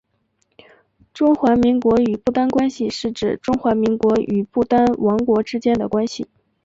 中华民国与不丹关系是指中华民国与不丹王国之间的关系。